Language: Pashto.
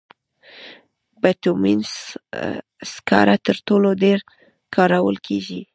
بټومینس سکاره تر ټولو ډېر کارول کېږي.